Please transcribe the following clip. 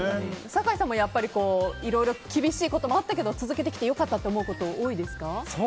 酒井さんもいろいろ厳しいこともあったけど続けてきて良かったと思うこと多いですか？